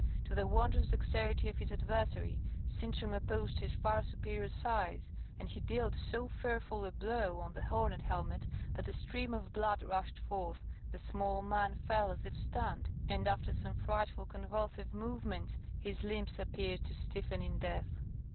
To the wondrous dexterity of his adversary, Sintram opposed his far superior size; and he dealt so fearful a blow on the horned helmet, that a stream of blood rushed forth, the small man fell as if stunned, and after some frightful convulsive movements, his limbs appeared to stiffen in death.